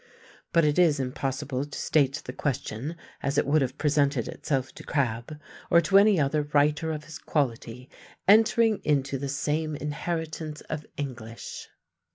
But it is impossible to state the question as it would have presented itself to Crabbe or to any other writer of his quality entering into the same inheritance of English.